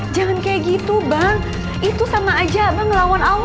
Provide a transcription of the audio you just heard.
jangan kayak gitu bang itu sama aja bang lawan allah